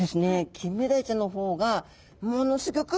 キンメダイちゃんの方がものすギョく